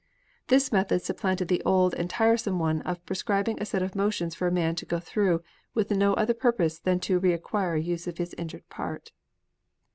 This method supplanted the old and tiresome one of prescribing a set of motions for a man to go through with no other purpose than to re acquire use of his injured part.